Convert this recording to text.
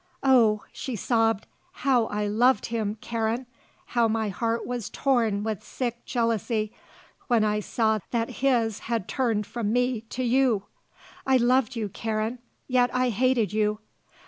Oh " she sobbed, "how I loved him, Karen! How my heart was torn with sick jealousy when I saw that his had turned from me to you. I loved you, Karen, yet I hated you.